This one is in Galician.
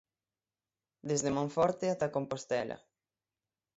Desde Monforte ata Compostela.